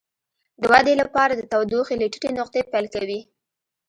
د ودې لپاره د تودوخې له ټیټې نقطې پیل کوي.